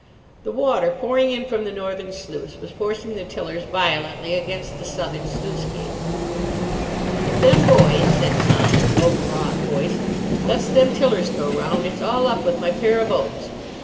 The water pouring in from the northern sluice was forcing the tillers violently against the southern sluice gates. "If them boys," said Tom Blake in an overwrought voice, "lets them tillers go round, it's all up with my pair o' boats.